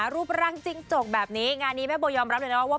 รูปร่างจิ้งจกแบบนี้งานนี้แม่โบยอมรับเลยนะว่า